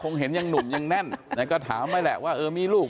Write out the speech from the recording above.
เห็นยังหนุ่มยังแน่นแต่ก็ถามไปแหละว่าเออมีลูก